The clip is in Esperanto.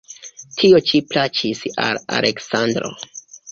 Tio ĉi plaĉis al Aleksandro.